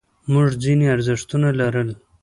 موږ ځینې ارزښتونه لرل.